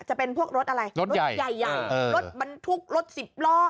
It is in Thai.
จะเป็นพวกรถอะไรรถใหญ่รถบรรทุกรถสิบล้อ